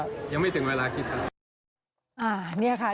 ยังไม่ถึงเวลาคิดครับ